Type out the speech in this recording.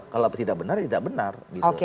kalau tidak benar ya tidak benar